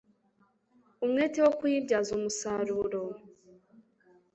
umwete wo kuyibyaza umusaruro.